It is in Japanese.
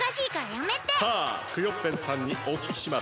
さあクヨッペンさんにおききします。